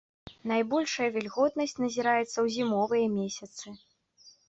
Найбольшая вільготнасць назіраецца ў зімовыя месяцы.